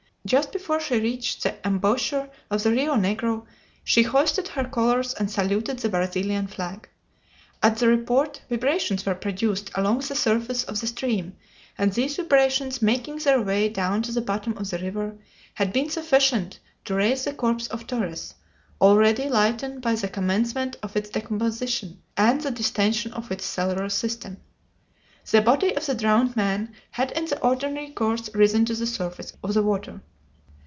Just before she reached the embouchure of the Rio Negro she hoisted her colors and saluted the Brazilian flag. At the report vibrations were produced along the surface of the stream, and these vibrations making their way down to the bottom of the river, had been sufficient to raise the corpse of Torres, already lightened by the commencement of its decomposition and the distension of its cellular system. The body of the drowned man had in the ordinary course risen to the surface of the water.